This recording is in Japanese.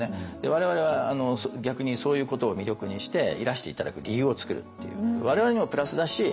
我々は逆にそういうことを魅力にしていらして頂く理由を作るっていう。